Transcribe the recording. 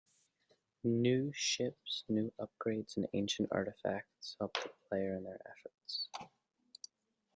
New ships, new upgrades, and ancient artifacts help the player in their efforts.